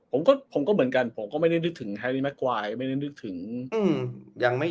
ผมก็เหมือนกันผมก็ไม่ได้นึกถึงแฮรี่แม็กวายไม่ได้นึกถึง